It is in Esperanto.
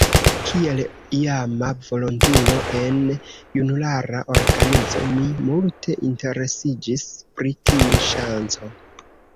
Kiel iama volontulo en junulara organizo, mi multe interesiĝis pri tiu ŝanco.